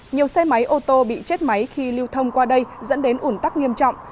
nhiều xe máy ô tô bị chết máy khi lưu thông qua đây dẫn đến ủn tắc nghiêm trọng